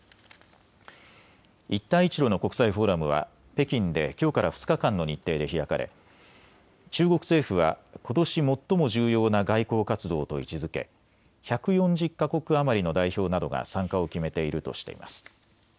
一帯一路の国際フォーラムは北京できょうから２日間の日程で開かれ中国政府は、ことし最も重要な外交活動と位置づけ１４０か国余りの代表などが参加を決めているとしています。